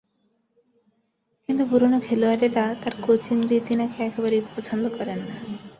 কিন্তু পুরোনো খেলোয়াড়েরা তাঁর কোচিং রীতি নাকি একেবারেই পছন্দ করেন না।